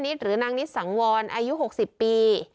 เจ๊นิดหรือนางนิสสังวรอายุหกสิบปี